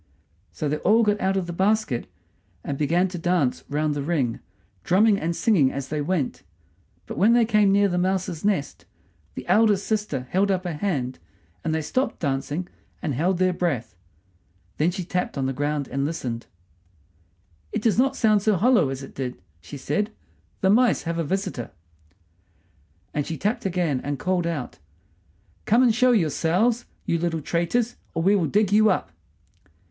So they all got out of the basket, and began to dance round the ring, drumming and singing as they went. But when they came near the mouse's nest the eldest sister held up her hand, and they stopped dancing and held their breath. Then she tapped on the ground and listened. "It does not sound so hollow as it did," she said, "The mice have a visitor." And she tapped again, and called out, "Come and show yourselves, you little traitors, or we will dig you up!"